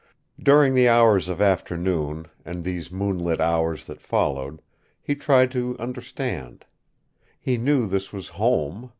During the hours of afternoon, and these moonlit hours that followed, he tried to understand. He knew this was home.